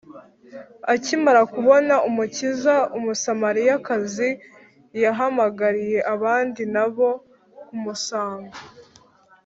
Akimara kubona Umukiza, Umusamariyakazi yahamagariye abandi na bo kumusanga.